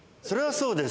そうです。